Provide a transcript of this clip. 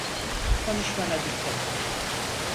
Konuşmana dikkat et.